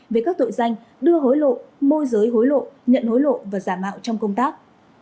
về các tội danh đưa hối lộ môi giới hối lộ nhận hối lộ và giả mạo trong công tác